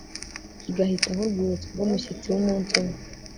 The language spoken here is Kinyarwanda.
kigahita nk'urwibutso rw'umushyitsi w'umunsi umwe